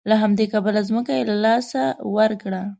له همدې کبله ځمکه یې له لاسه ورکړه.